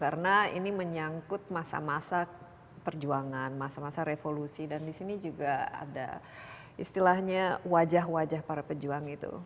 karena ini menyangkut masa masa perjuangan masa masa revolusi dan disini juga ada istilahnya wajah wajah para pejuang itu